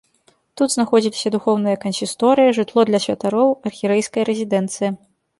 Тут знаходзіліся духоўная кансісторыя, жытло для святароў, архірэйская рэзідэнцыя.